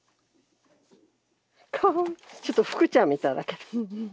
ちょっとフクちゃんみたいだけど。